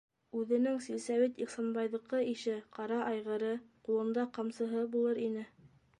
Үҙенең силсәүит Ихсанбайҙыҡы ише ҡара айғыры, ҡулында ҡамсыһы булыр ине.